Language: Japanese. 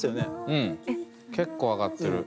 うん結構上がってる。